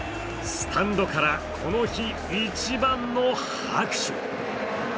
スタンドからこの日一番の拍手。